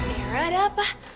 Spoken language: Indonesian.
erah ada apa